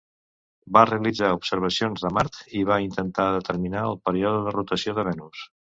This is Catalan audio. Va realitzar observacions de Mart i va intentar determinar el període de rotació de Venus.